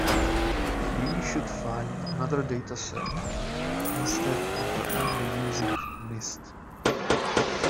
We should find another dataset instead of only using mnist.